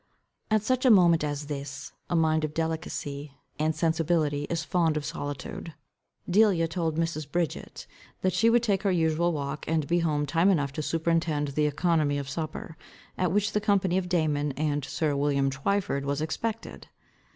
_ At such a moment as this, a mind of delicacy and sensibility is fond of solitude. Delia told Mrs. Bridget, that she would take her usual walk, and be home time enough to superintend the oeconomy of supper, at which the company of Damon and sir William Twyford was expected.